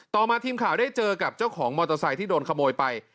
ต่อมาทีมข่าวได้เจอกับเจ้าของมอเตอร์ไซค์ที่โดนขโมยไป